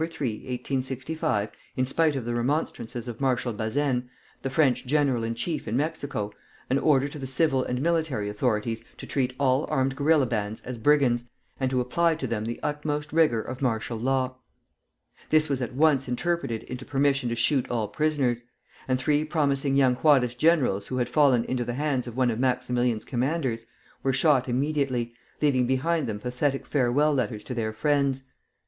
3, 1865, in spite of the remonstrances of Marshal Bazaine, the French general in chief in Mexico, an order to the civil and military authorities to treat all armed guerilla bands as brigands, and to apply to them the utmost rigor of martial law. This was at once interpreted into permission to shoot all prisoners; and three promising young Juarist generals who had fallen into the hands of one of Maximilian's commanders were shot immediately, leaving behind them pathetic farewell letters to their friends.